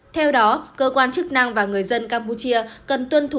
theo đó cơ quan chức năng và người dân campuchia cần tuân thủ